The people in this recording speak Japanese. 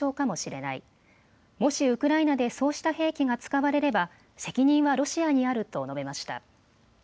もしウクライナでそうした兵器が使われれば責任はロシアにあると述べました。